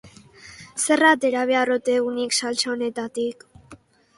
Zer atera behar ote dut nik saltsa honetatik?